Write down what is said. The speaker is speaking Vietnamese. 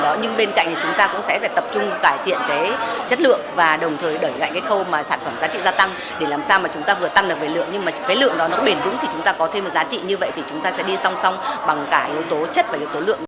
chúng ta sẽ tập trung cải thiện chất lượng và đẩy ngại khâu sản phẩm giá trị gia tăng để làm sao chúng ta vừa tăng được về lượng nhưng lượng nó bền vũng thì chúng ta có thêm giá trị như vậy thì chúng ta sẽ đi song song bằng cả yếu tố chất và yếu tố lượng